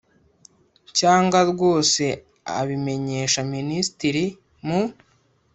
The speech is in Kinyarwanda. cyangwa rwose abimenyesha Minisitiri mu